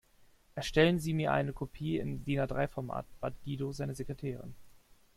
Erstellen Sie mir eine Kopie im DIN-A-drei Format, bat Guido seine Sekretärin.